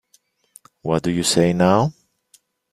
What do you say, now?